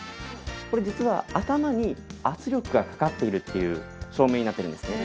これ実は頭に圧力がかかっているという証明になってるんですね。